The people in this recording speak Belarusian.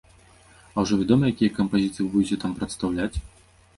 А ўжо вядома, якія кампазіцыі вы будзеце там прадстаўляць?